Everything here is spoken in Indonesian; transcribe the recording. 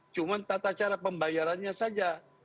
cuma tata cara pembayarannya saja